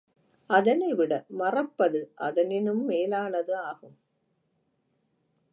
அதனைவிட மறப்பது அதனினும் மேலானது ஆகும்.